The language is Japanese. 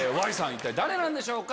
一体誰なんでしょうか？